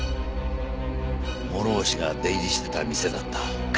諸星が出入りしてた店だった。